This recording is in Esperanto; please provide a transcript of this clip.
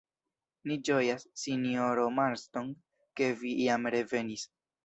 Ni ĝojas, sinjoro Marston, ke vi jam revenis.